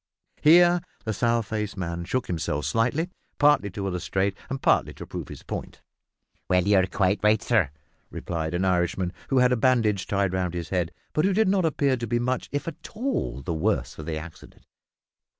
Here the sour faced man shook himself slightly, partly to illustrate and partly to prove his point. "You're quite right, sur," remarked an Irishman, who had a bandage tied round his head, but who did not appear to be much, if at all, the worse of the accident.